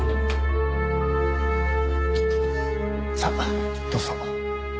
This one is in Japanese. さどうぞ。